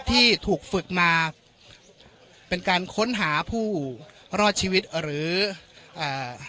ที่ถูกฝึกมาเป็นการค้นหาผู้รอดชีวิตหรืออ่า